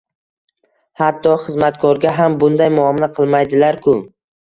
Hatto xizmatkorga ham bunday muomala qilmaydilarku.